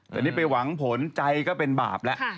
แต่นี่ไปหวังผลใจก็เป็นบาปแล้ว